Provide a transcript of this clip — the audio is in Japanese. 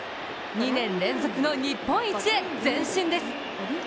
２年連続の日本一へ、前進です。